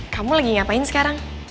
kamu lagi ngapain sekarang